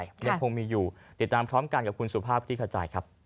ยังคงมีอยู่ติดตามพร้อมกันกับคุณสุภาพคลิกขจายครับ